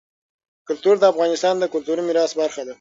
کلتور د افغانستان د کلتوري میراث برخه ده.